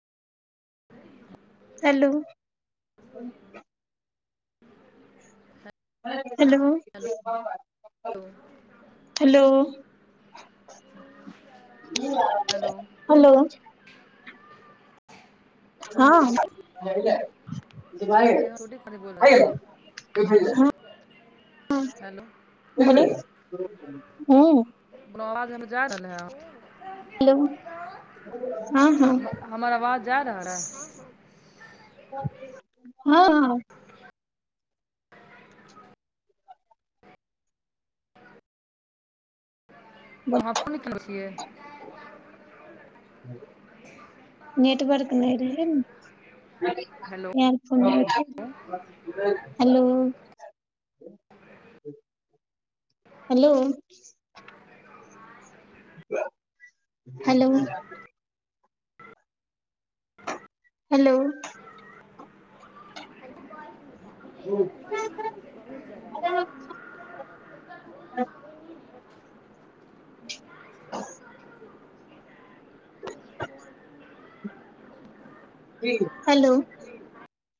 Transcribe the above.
Hello [inaudible] hello hello [inaudible] hello hello हँ जी हम छोटी खाली [inaudible] बोल रहल छियै [inaudible] हेलो [inaudible] हम्म। [inaudible] जा रहले ये? हेलो हँ हँ [inaudible] हमर आवाज जा रहल ए? हँ। अहाँ फून केने छियै? नेटवर्क नैय रहैन। हेलो [inaudible] हेलो आ हेलो हेलोऽ हेलोऽ [inaudible] [inaudible] ह की हेलोऽ